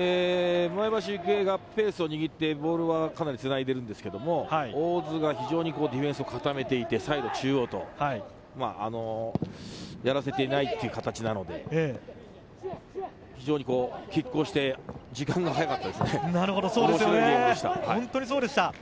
前橋育英がペースを握ってボールはかなりつないでるんですけれど、大津が非常にディフェンスを固めていて、サイド、中央とやらせていないっていう形なので、非常に拮抗して時間が早かったですね、面白いゲームでした。